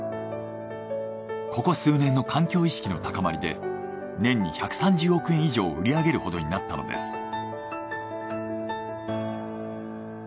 ここ数年の環境意識の高まりで年に１３０億円以上を売り上げるほどになったのです。